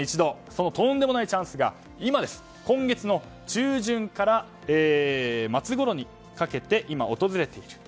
そのとんでもないチャンスが今月の中旬から末ごろにかけて今、訪れている。